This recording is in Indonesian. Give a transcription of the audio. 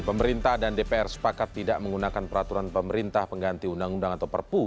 pemerintah dan dpr sepakat tidak menggunakan peraturan pemerintah pengganti undang undang atau perpu